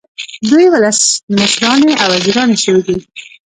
دوی ولسمشرانې او وزیرانې شوې دي.